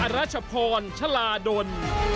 รัชพรชลาดล